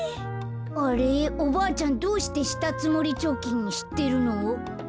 あれっおばあちゃんどうしてしたつもりちょきんしってるの？